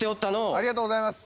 ありがとうございます。